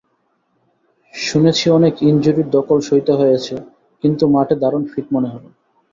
শুনেছি অনেক ইনজুরির ধকল সইতে হয়েছে, কিন্তু মাঠে দারুণ ফিট মনে হলো।